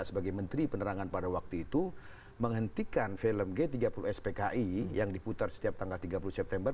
sebagai menteri penerangan pada waktu itu menghentikan film g tiga puluh spki yang diputar setiap tanggal tiga puluh september